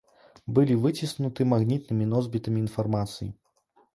Былі выціснуты магнітнымі носьбітамі інфармацыі.